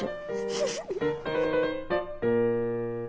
フフフ。